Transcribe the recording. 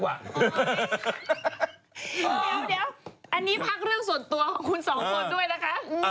เดี๋ยวอันนี้พักเรื่องส่วนตัวของคุณสองคนด้วยนะคะ